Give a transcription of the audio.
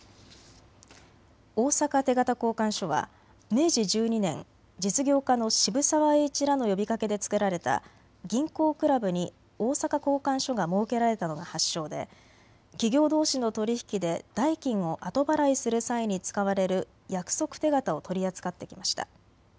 大阪手形交換所は明治１２年、実業家の渋沢栄一らの呼びかけで作られた銀行苦楽部に大坂交換所が設けられたのが発祥で企業どうしの取り引きで代金を後払いする際に使われる約束手形を取り扱ってきました。